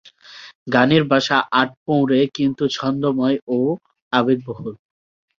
গানের ভাষা আটপৌরে, কিন্তু ছন্দোময় ও আবেগবহুল।